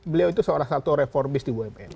beliau itu seorang satu reformist di wmn